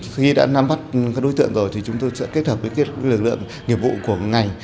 khi đã nắm bắt các đối tượng rồi thì chúng tôi sẽ kết hợp với lực lượng nghiệp vụ của ngành